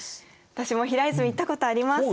私も平泉行ったことあります。